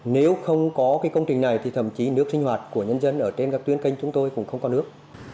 nếu không có công trình này thì thậm chí nước sinh hoạt của nhân dân ở trên các tuyến canh chúng tôi cũng không có nước